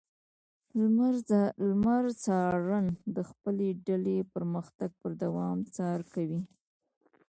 لمری څارن د خپلې ډلې پرمختګ پر دوام څار کوي.